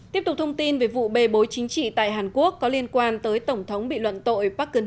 tiếp tục thông tin về vụ bề bối chính trị tại hàn quốc có liên quan tới tổng thống bị luận tội park geun hye